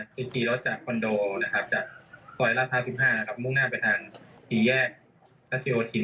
ทีทีรถจากคอนโดจากซอยราชพร้าว๑๕มุ่งหน้าไปทาง๔แยกรัชยธิน